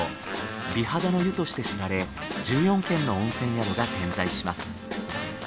美肌の湯として知られ１４軒の温泉宿が点在します。